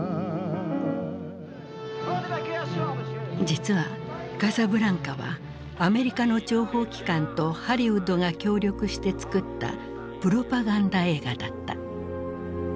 実は「カサブランカ」はアメリカの諜報機関とハリウッドが協力して作ったプロパガンダ映画だった。